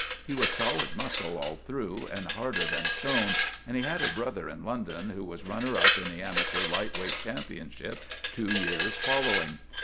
He was solid muscle all through, and harder than stone, and he had a brother in London who was runner up in the amateur "light weight" championship two years following.